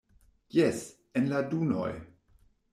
Jes, en la dunoj!